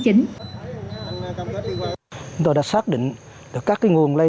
chúng tôi đã xác định các nguồn lây chủ yếu để quản lý